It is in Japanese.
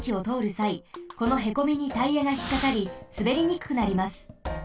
さいこのへこみにタイヤがひっかかりすべりにくくなります。